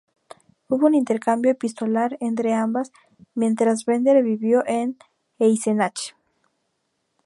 Hubo un intercambio epistolar entre ambas mientras Bender vivió en Eisenach.